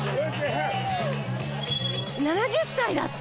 ７０歳だって！